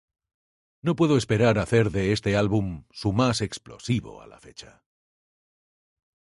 No puedo esperar hacer de este álbum su más explosivo a la fecha"".